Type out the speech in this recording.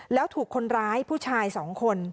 แล้วถูกคนร้ายผู้ชาย๒คน